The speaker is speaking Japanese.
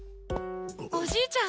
おじいちゃん！